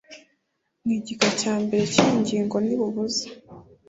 n igika cya mbere cy iyi ngingo ntibubuza